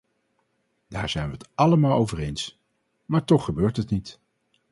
Daar zijn wij het allemaal over eens, maar toch gebeurt het niet.